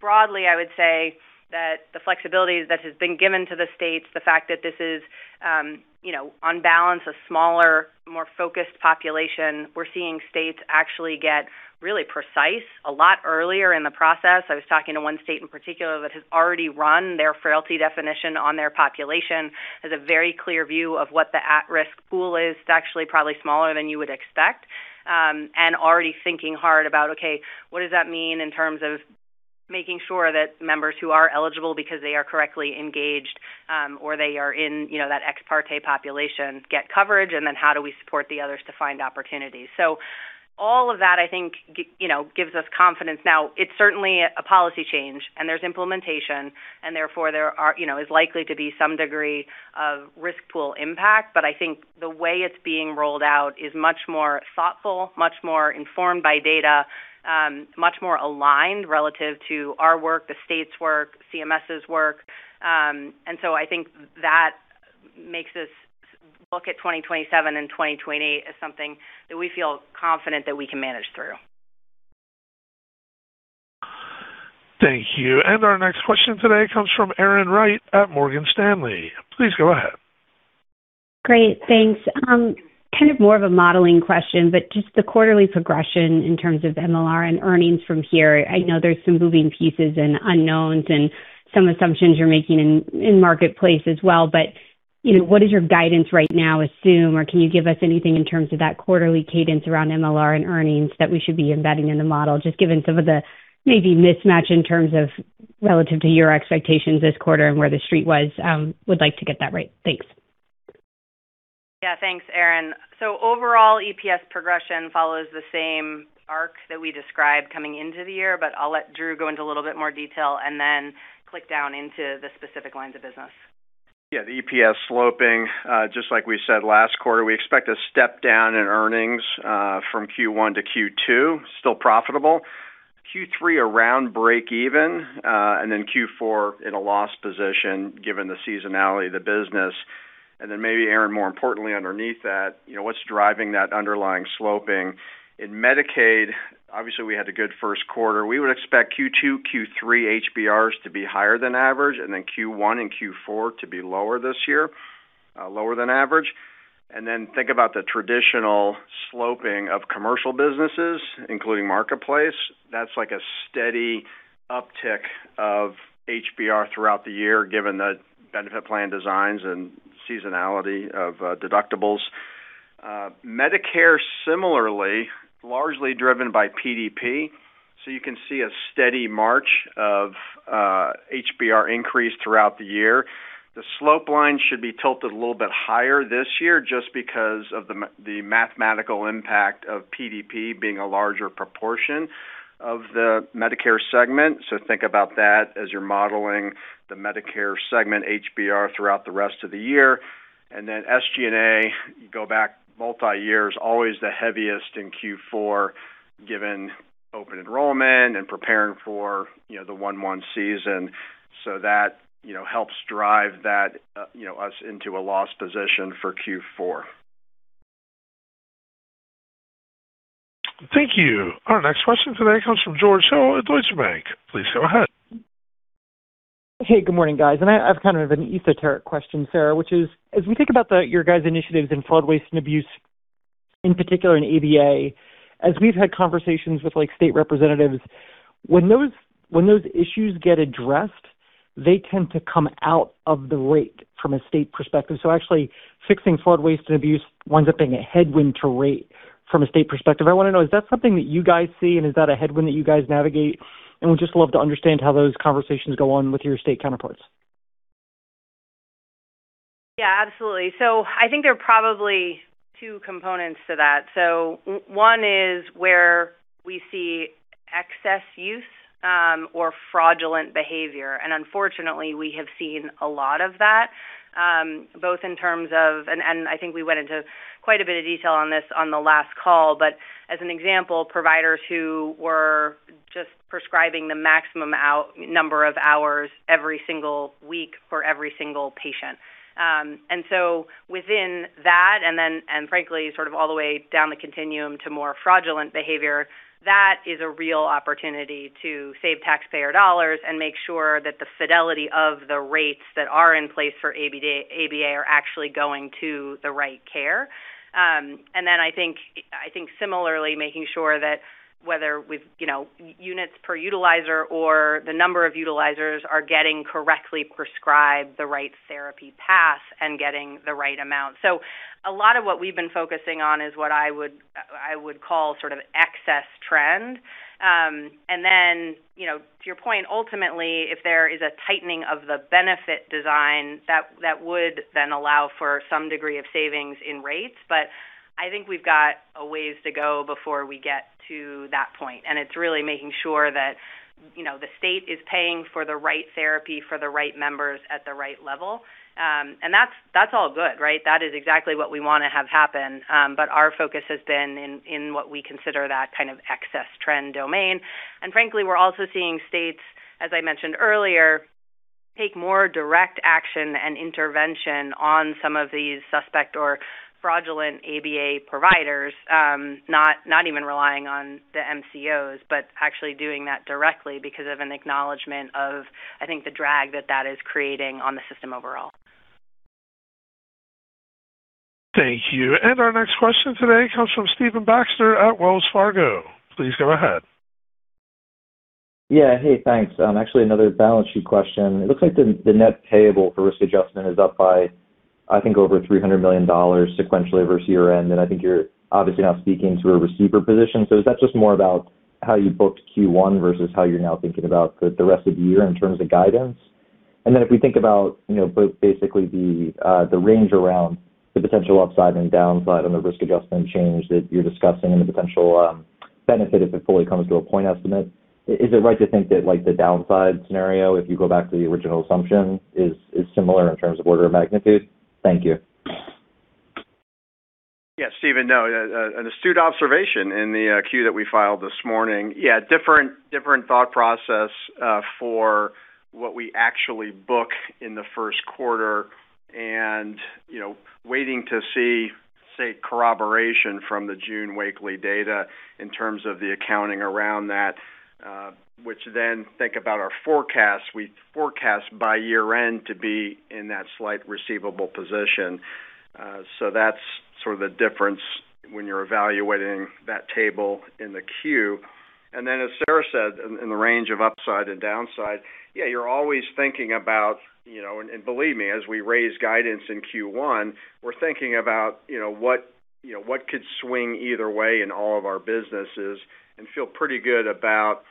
Broadly, I would say that the flexibility that has been given to the states, the fact that this is, you know, on balance, a smaller, more focused population, we're seeing states actually get really precise a lot earlier in the process. I was talking to 1 state in particular that has already run their frailty definition on their population, has a very clear view of what the at-risk pool is. It's actually probably smaller than you would expect, and already thinking hard about, okay, what does that mean in terms of making sure that members who are eligible because they are correctly engaged, or they are in, you know, that ex parte population get coverage, and then how do we support the others to find opportunities? All of that, I think, you know, gives us confidence. It's certainly a policy change, and there's implementation, and therefore is likely to be some degree of risk pool impact. I think the way it's being rolled out is much more thoughtful, much more informed by data, much more aligned relative to our work, the state's work, CMS's work. I think that makes us look at 2027 and 2028 as something that we feel confident that we can manage through. Thank you. Our next question today comes from Erin Wright at Morgan Stanley. Please go ahead. Great. Thanks. Kind of more of a modeling question, but just the quarterly progression in terms of MLR and earnings from here. I know there's some moving pieces and unknowns and some assumptions you're making in Marketplace as well. You know, what is your guidance right now assume, or can you give us anything in terms of that quarterly cadence around MLR and earnings that we should be embedding in the model, just given some of the maybe mismatch in terms of relative to your expectations this quarter and where the street was, would like to get that right? Thanks. Yeah. Thanks, Erin. Overall, EPS progression follows the same arc that we described coming into the year, but I'll let Drew go into a little bit more detail and then click down into the specific lines of business. The EPS sloping, just like we said last quarter, we expect a step down in earnings from Q1 to Q2, still profitable. Q3 around break-even, and then Q4 in a loss position, given the seasonality of the business. Maybe, Erin, more importantly, underneath that, you know, what's driving that underlying sloping? In Medicaid, obviously, we had a good first quarter. We would expect Q2, Q3 HBRs to be higher than average, and then Q1 and Q4 to be lower this year, lower than average. Think about the traditional sloping of commercial businesses, including Marketplace. That's like a steady uptick of HBR throughout the year, given the benefit plan designs and seasonality of deductibles. Medicare, similarly, largely driven by PDP, you can see a steady march of HBR increase throughout the year. The slope line should be tilted a little bit higher this year, just because of the mathematical impact of PDP being a larger proportion of the Medicare segment. Think about that as you're modeling the Medicare segment HBR throughout the rest of the year. SG&A, you go back multi-years, always the heaviest in Q4, given open enrollment and preparing for, you know, the 1/1 season. That, you know, helps drive that, you know, us into a loss position for Q4. Thank you. Our next question today comes from George Hill at Deutsche Bank. Please go ahead. Hey, good morning, guys. I've kind of an esoteric question, Sarah, which is, as we think about your guys' initiatives in fraud, waste, and abuse, in particular in ABA, as we've had conversations with like state representatives, when those issues get addressed, they tend to come out of the rate from a state perspective. Actually fixing fraud, waste, and abuse winds up being a headwind to rate from a state perspective. I wanna know, is that something that you guys see, and is that a headwind that you guys navigate? Would just love to understand how those conversations go on with your state counterparts. Yeah, absolutely. I think there are probably two components to that. One is where we see excess use or fraudulent behavior. Unfortunately, we have seen a lot of that, both in terms of, I think we went into quite a bit of detail on this on the last call, but as an example, providers who were just prescribing the maximum number of hours every single week for every single patient. Within that, frankly, sort of all the way down the continuum to more fraudulent behavior, that is a real opportunity to save taxpayer dollars and make sure that the fidelity of the rates that are in place for ABA are actually going to the right care. And then I think similarly, making sure that whether with, you know, units per utilizer or the number of utilizers are getting correctly prescribed the right therapy path and getting the right amount. A lot of what we've been focusing on is what I would call sort of excess trend. And then, you know, to your point, ultimately, if there is a tightening of the benefit design, that would then allow for some degree of savings in rates. I think we've got a ways to go before we get to that point, and it's really making sure that, you know, the state is paying for the right therapy for the right members at the right level. And that's all good, right? That is exactly what we wanna have happen. Our focus has been in what we consider that kind of excess trend domain. Frankly, we're also seeing states, as I mentioned earlier, take more direct action and intervention on some of these suspect or fraudulent ABA providers, not even relying on the MCOs, but actually doing that directly because of an acknowledgment of, I think, the drag that is creating on the system overall. Thank you. Our next question today comes from Stephen Baxter at Wells Fargo. Please go ahead. Yeah. Hey, thanks. Actually, another balance sheet question. It looks like the net payable for risk adjustment is up by, I think, over $300 million sequentially versus year-end. I think you're obviously now speaking to a receiver position. Is that just more about how you booked Q1 versus how you're now thinking about the rest of the year in terms of guidance? If we think about, you know, basically the range around the potential upside and downside on the risk adjustment change that you're discussing and the potential benefit if it fully comes to a point estimate, is it right to think that, like, the downside scenario, if you go back to the original assumption, is similar in terms of order of magnitude? Thank you. Stephen, no, an astute observation in the Q that we filed this morning. Different, different thought process for what we actually book in the first quarter, and, you know, waiting to see, say, corroboration from the June Wakely data in terms of the accounting around that, which then think about our forecast. We forecast by year-end to be in that slight receivable position. That's sort of the difference when you're evaluating that table in the Q. Then as Sarah said, in the range of upside and downside, yeah, you're always thinking about, you know, and believe me, as we raise guidance in Q1, we're thinking about, you know, what could swing either way in all of our businesses and feel pretty good about,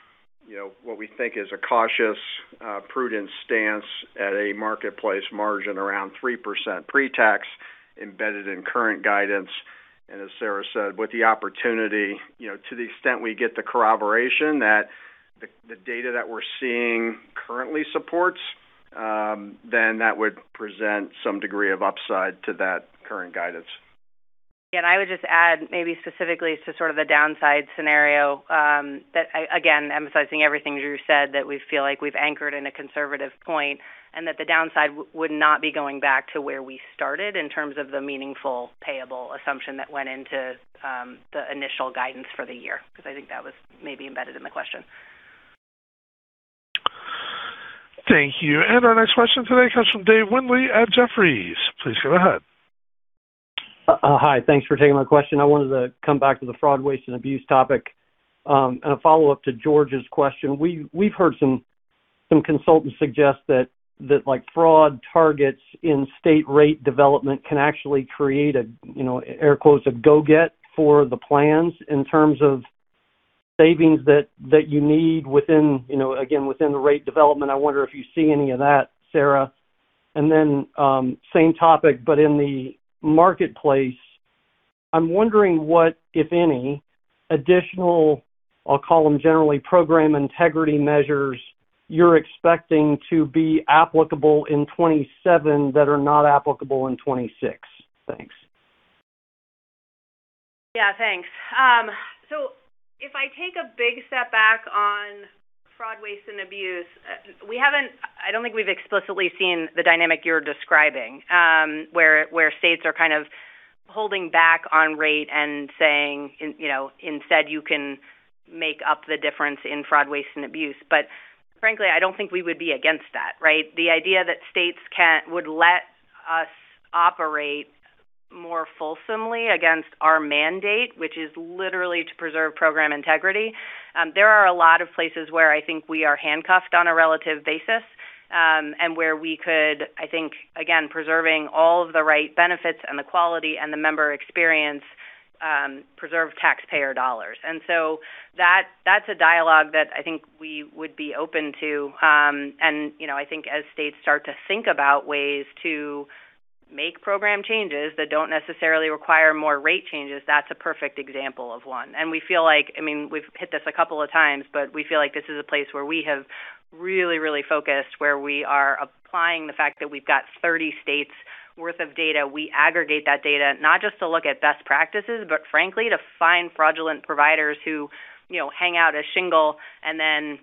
you know, what we think is a cautious, prudent stance at a Marketplace margin around 3% pre-tax embedded in current guidance. As Sarah said, with the opportunity, you know, to the extent we get the corroboration that the data that we're seeing currently supports, then that would present some degree of upside to that current guidance. Yeah. I would just add maybe specifically to sort of the downside scenario, again, emphasizing everything Drew said, that we feel like we've anchored in a conservative point. That the downside would not be going back to where we started in terms of the meaningful payable assumption that went into the initial guidance for the year, 'cause I think that was maybe embedded in the question. Thank you. Our next question today comes from Dave Windley at Jefferies. Please go ahead. Hi. Thanks for taking my question. I wanted to come back to the fraud, waste, and abuse topic and a follow-up to George's question. We've heard some consultants suggest that, like, fraud targets in state rate development can actually create a, you know, air quotes, a go-get for the plans in terms of savings that you need within, you know, again, within the rate development. I wonder if you see any of that, Sarah. Same topic, but in the Marketplace, I'm wondering what, if any, additional, I'll call them generally program integrity measures, you're expecting to be applicable in 2027 that are not applicable in 2026. Thanks. Thanks. If I take a big step back on fraud, waste, and abuse, I don't think we've explicitly seen the dynamic you're describing, where states are kind of holding back on rate and saying in, you know, instead, you can make up the difference in fraud, waste, and abuse. Frankly, I don't think we would be against that, right? The idea that states would let us operate more fulsomely against our mandate, which is literally to preserve program integrity. There are a lot of places where I think we are handcuffed on a relative basis, and where we could, I think, again, preserving all of the right benefits and the quality and the member experience, preserve taxpayer dollars. That's a dialogue that I think we would be open to. You know, I think as states start to think about ways to make program changes that don't necessarily require more rate changes. That's a perfect example of one. I mean, we've hit this a couple of times, but we feel like this is a place where we have really, really focused, where we are applying the fact that we've got 30 states' worth of data. We aggregate that data not just to look at best practices, but frankly, to find fraudulent providers who, you know, hang out a shingle and then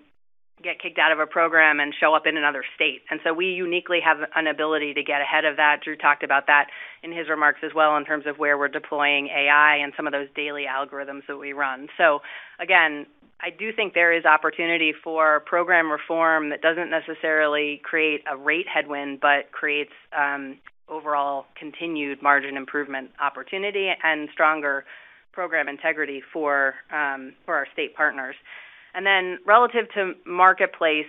get kicked out of a program and show up in another state. We uniquely have an ability to get ahead of that. Drew talked about that in his remarks as well, in terms of where we're deploying AI and some of those daily algorithms that we run. Again, I do think there is opportunity for program reform that doesn't necessarily create a rate headwind, but creates overall continued margin improvement opportunity and stronger program integrity for our state partners. Then, relative to Marketplace,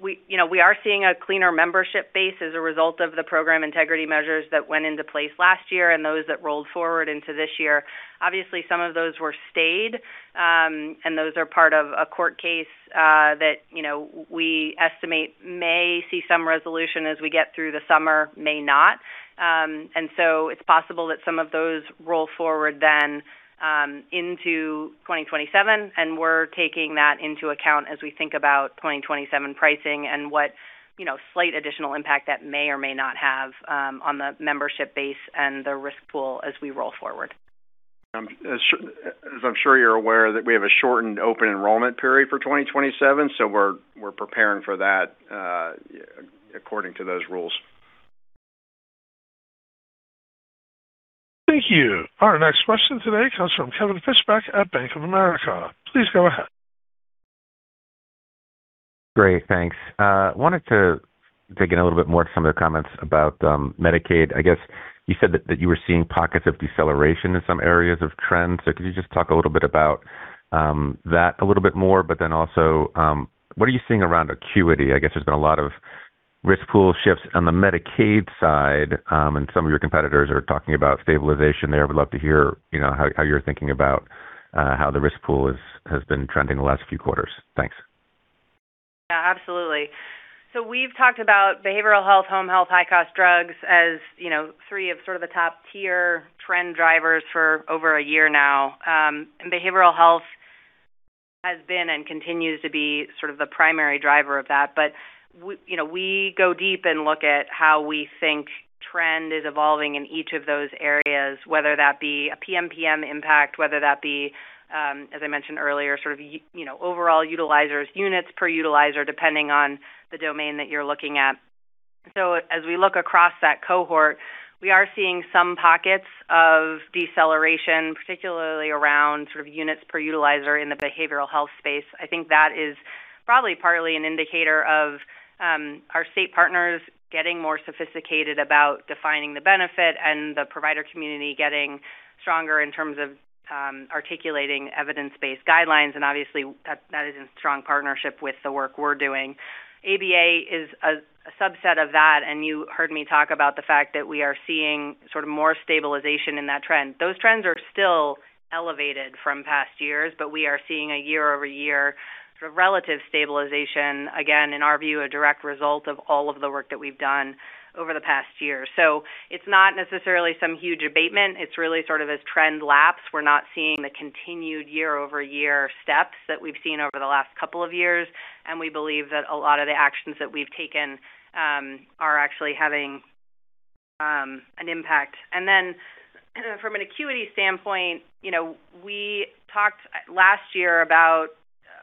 we, you know, we are seeing a cleaner membership base as a result of the program integrity measures that went into place last year and those that rolled forward into this year. Obviously, some of those were stayed, and those are part of a court case that, you know, we estimate may see some resolution as we get through the summer, may not. It's possible that some of those roll forward into 2027, and we're taking that into account as we think about 2027 pricing and what, you know, slight additional impact that may or may not have on the membership base and the risk pool as we roll forward. As I'm sure you're aware that, we have a shortened open enrollment period for 2027, so we're preparing for that, according to those rules. Thank you. Our next question today comes from Kevin Fischbeck at Bank of America. Please go ahead. Great. Thanks. Wanted to dig in a little bit more to some of the comments about Medicaid. I guess you said that you were seeing pockets of deceleration in some areas of trends. Could you just talk a little bit about that a little bit more? What are you seeing around acuity? I guess there's been a lot of risk pool shifts on the Medicaid side, and some of your competitors are talking about stabilization there. Would love to hear, you know, how you're thinking about how the risk pool has been trending the last few quarters. Thanks. Yeah, absolutely. We've talked about behavioral health, home health, high-cost drugs as, you know, three of sort of the top-tier trend drivers for over a one year now. Behavioral health has been and continues to be sort of the primary driver of that. We go deep and look at how we think trend is evolving in each of those areas, whether that be a PMPM impact, whether that be, as I mentioned earlier, you know, overall utilizers, units per utilizer, depending on the domain that you're looking at. As we look across that cohort, we are seeing some pockets of deceleration, particularly around sort of units per utilizer in the behavioral health space. I think that is probably partly an indicator of our state partners getting more sophisticated about defining the benefit and the provider community getting stronger in terms of articulating evidence-based guidelines, and obviously that is in strong partnership with the work we're doing. ABA is a subset of that, and you heard me talk about the fact that we are seeing sort of more stabilization in that trend. Those trends are still elevated from past years, but we are seeing a year-over-year sort of relative stabilization, again, in our view, a direct result of all of the work that we've done over the past year. It's not necessarily some huge abatement. It's really sort of as trend laps. We're not seeing the continued year-over-year steps that we've seen over the last couple of years, and we believe that a lot of the actions that we've taken are actually having an impact. From an acuity standpoint, you know, we talked last year about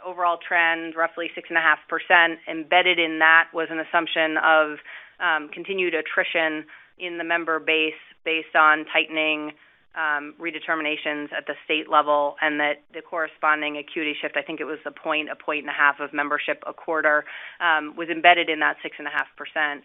overall trend, roughly 6.5%. Embedded in that was an assumption of continued attrition in the member base based on tightening redeterminations at the state level, and that the corresponding acuity shift, I think, it was a point and a half of membership a quarter, was embedded in that 6.5%.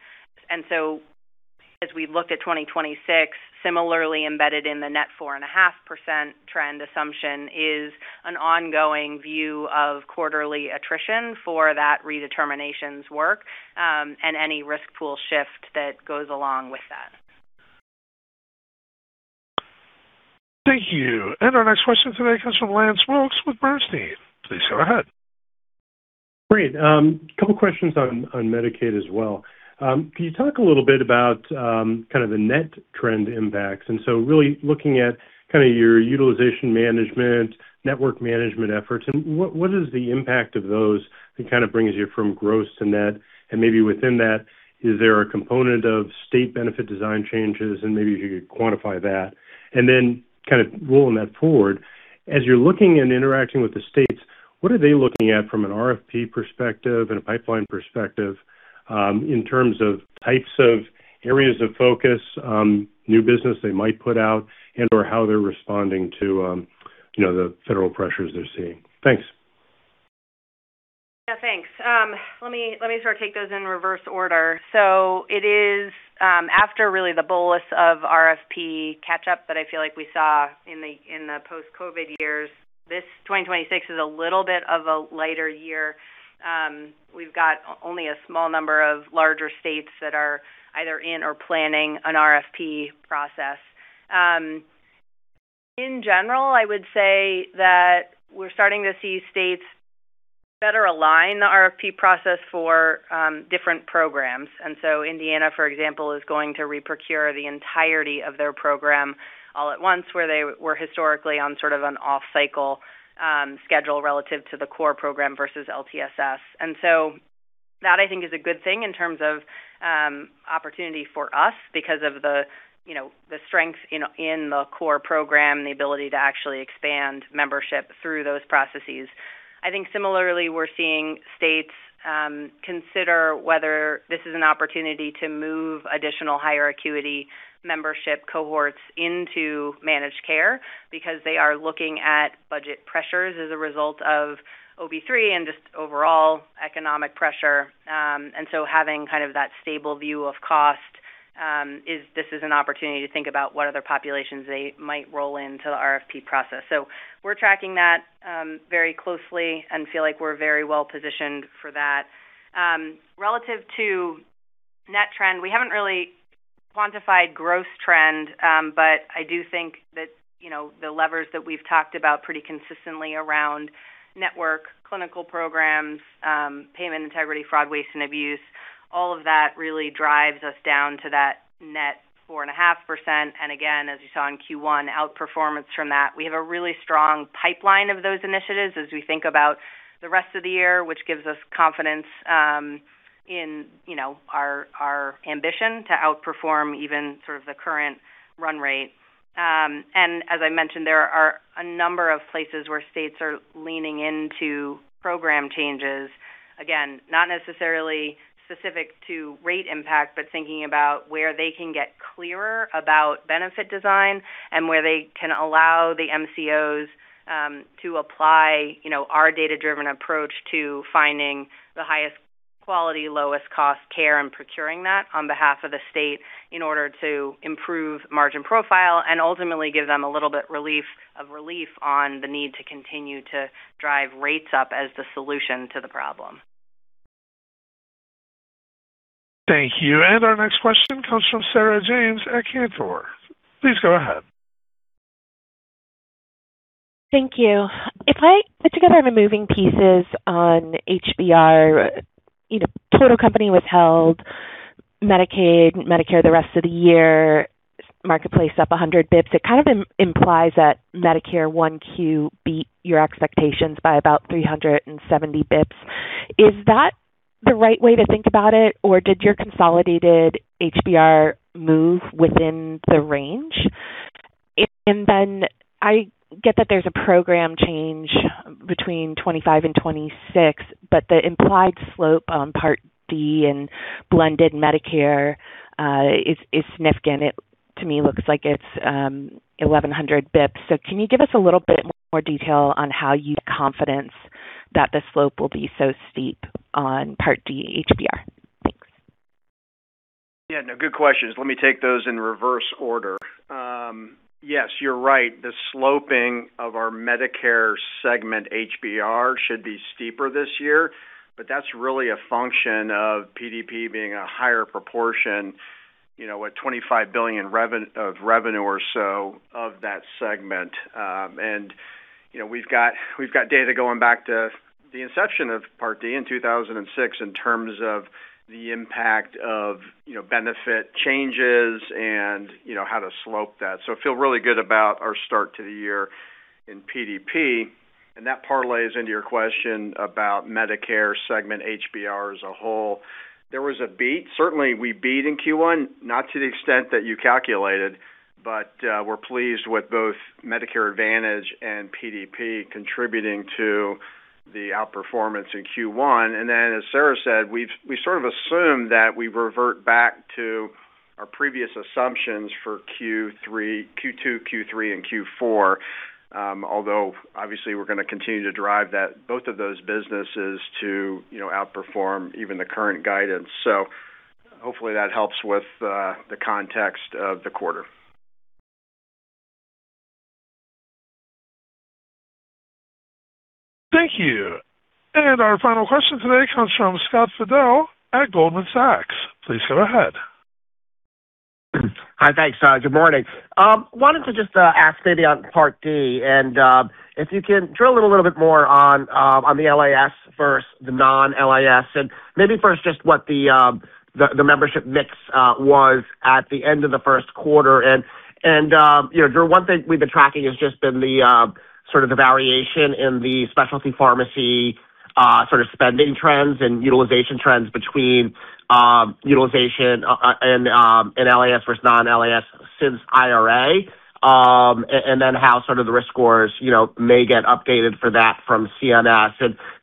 As we look at 2026, similarly embedded in the net 4.5% trend assumption is an ongoing view of quarterly attrition for that redeterminations work, and any risk pool shift that goes along with that. Thank you. Our next question today comes from Lance Wilkes with Bernstein. Please go ahead. Great. A couple questions on Medicaid as well. Can you talk a little bit about, kinda the net trend impacts? Really looking at kinda your utilization management, network management efforts, and what is the impact of those that kind of brings you from gross to net? Maybe within that, is there a component of state benefit design changes, and maybe if you could quantify that. Kind of rolling that forward, as you're looking and interacting with the states, what are they looking at from an RFP perspective and a pipeline perspective, in terms of types of areas of focus, new business they might put out and/or how they're responding to, you know, the federal pressures they're seeing? Thanks. Yeah, thanks. Let me sort of take those in reverse order. It is, after really the bolus of RFP catch-up that I feel like we saw in the post-COVID years, this 2026 is a little bit of a lighter year. We've got only a small number of larger states that are either in or planning an RFP process. In general, I would say that we're starting to see states better align the RFP process for different programs. Indiana, for example, is going to reprocure the entirety of their program all at once, where they were historically on sort of an off-cycle schedule relative to the core program versus LTSS. That I think is a good thing in terms of opportunity for us because of the, you know, the strength in the core program, the ability to actually expand membership through those processes. I think similarly, we're seeing states consider whether this is an opportunity to move additional higher acuity membership cohorts into managed care because they are looking at budget pressures as a result of OB3 and just overall economic pressure. Having kind of that stable view of cost is this is an opportunity to think about what other populations they might roll into the RFP process. We're tracking that very closely and feel like we're very well-positioned for that. Relative to net trend, we haven't really quantified gross trend, but I do think that, you know, the levers that we've talked about pretty consistently around network, clinical programs, payment integrity, fraud, waste, and abuse, all of that really drives us down to that net 4.5%. As you saw in Q1, outperformance from that. We have a really strong pipeline of those initiatives as we think about the rest of the year, which gives us confidence in, you know, our ambition to outperform even sort of the current run rate. As I mentioned, there are a number of places where states are leaning into program changes. Not necessarily specific to rate impact, but thinking about where they can get clearer about benefit design and where they can allow the MCOs, you know, to apply our data-driven approach to finding the highest quality, lowest cost care and procuring that on behalf of the state in order to improve margin profile and ultimately give them a little bit of relief on the need to continue to drive rates up as the solution to the problem. Thank you. Our next question comes from Sarah James at Cantor. Please go ahead. Thank you. If I put together the moving pieces on HBR, you know, total company withheld Medicaid, Medicare, the rest of the year, Marketplace up 100 basis points, it kind of implies that Medicare 1Q beat your expectations by about 370 basis points. Is that the right way to think about it, or did your consolidated HBR move within the range? I get that there's a program change between 2025 and 2026, but the implied slope on Part D and blended Medicare is significant. It to me looks like it's 1,100 basis points. Can you give us a little bit more detail on how you have confidence that the slope will be so steep on Part D HBR? Thanks. No, good questions. Let me take those in reverse order. Yes, you're right. The sloping of our Medicare segment HBR should be steeper this year, that's really a function of PDP being a higher proportion, you know, what $25 billion of revenue or so of that segment. You know, we've got data going back to the inception of Part D in 2006 in terms of the impact of, you know, benefit changes and, you know, how to slope that. I feel really good about our start to the year in PDP. That parlays into your question about Medicare segment HBR as a whole. There was a beat. Certainly, we beat in Q1, not to the extent that you calculated. We're pleased with both Medicare Advantage and PDP contributing to the outperformance in Q1. As Sarah said, we sort of assumed that we revert back to our previous assumptions for Q2, Q3, and Q4, although obviously we're gonna continue to drive both of those businesses to, you know, outperform even the current guidance. Hopefully, that helps with the context of the quarter. Thank you. Our final question today comes from Scott Fidel at Goldman Sachs. Please go ahead. Hi. Thanks. Good morning. I wanted to just ask, maybe on Part D, if you can drill in a little bit more on the LIS versus the non-LIS, and maybe first, just what the membership mix was at the end of the first quarter? You know, Drew, one thing we've been tracking has just been the sort of the variation in the specialty pharmacy sort of spending trends and utilization trends between utilization and LIS versus non-LIS since IRA, and then how sort of the risk scores, you know, may get updated for that from CMS.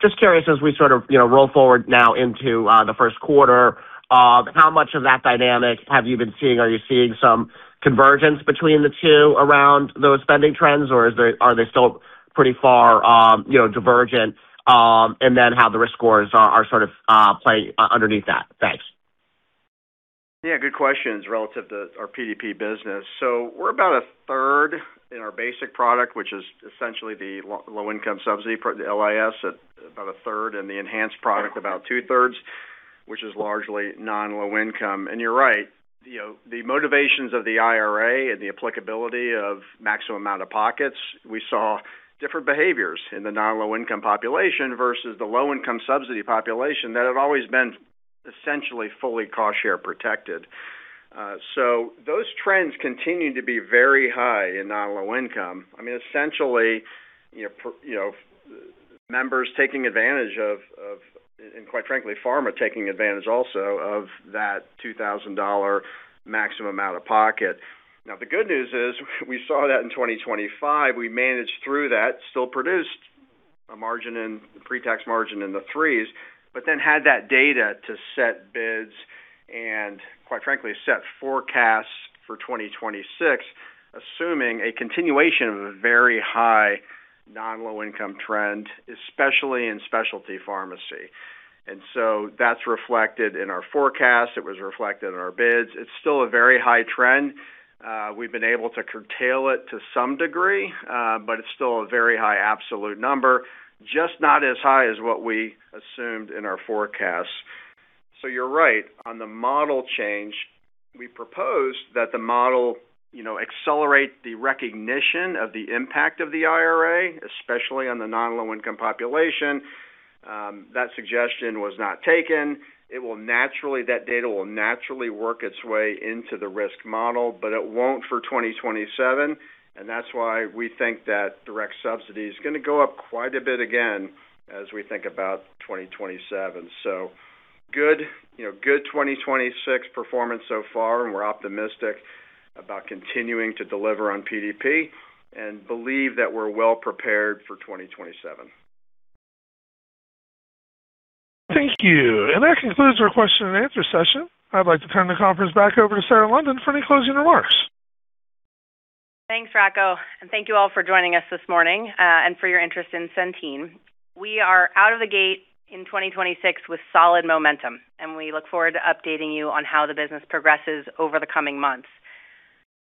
Just curious, as we sort of, you know, roll forward now into the first quarter, how much of that dynamic have you been seeing? Are you seeing some convergence between the two around those spending trends, or are they still pretty far, you know, divergent? Then, how the risk scores are sort of play underneath that. Thanks. Yeah, good questions relative to our PDP business. We're about a third in our basic product, which is essentially the low-income subsidy part, the LIS, at about a third, and the enhanced product, about two-thirds, which is largely non-low income. You know, the motivations of the IRA and the applicability of maximum out-of-pockets, we saw different behaviors in the non-low-income population versus the low-income subsidy population that have always been essentially fully cost-share protected. Those trends continue to be very high in non-low-income. I mean, essentially, you know, members taking advantage of, and quite frankly, pharma taking advantage also of that $2,000 maximum out-of-pocket. Now, the good news is we saw that in 2025. We managed through that, still produced a pre-tax margin in the 3s, had that data to set bids and quite frankly set forecasts for 2026, assuming a continuation of a very high non-low income trend, especially in specialty pharmacy. That's reflected in our forecast. It was reflected in our bids. It's still a very high trend. We've been able to curtail it to some degree, but it's still a very high absolute number, just not as high as what we assumed in our forecasts. You're right. On the model change, we proposed that the model, you know, accelerate the recognition of the impact of the IRA, especially on the non-low-income population. That suggestion was not taken. That data will naturally work its way into the risk model, it won't for 2027. That's why we think that direct subsidy is gonna go up quite a bit again as we think about 2027. Good, you know, good 2026 performance so far, we're optimistic about continuing to deliver on PDP and believe that we're well-prepared for 2027. Thank you. That concludes our question and answer session. I'd like to turn the conference back over to Sarah London for any closing remarks. Thanks, Rocco, and thank you all for joining us this morning, and for your interest in Centene. We are out of the gate in 2026 with solid momentum, and we look forward to updating you on how the business progresses over the coming months.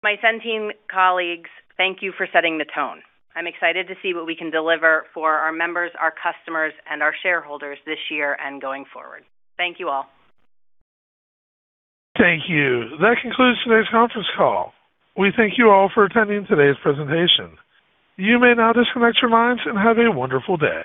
My Centene colleagues, thank you for setting the tone. I'm excited to see what we can deliver for our members, our customers, and our shareholders this year and going forward. Thank you all. Thank you. That concludes today's conference call. We thank you all for attending today's presentation. You may now disconnect your lines and have a wonderful day.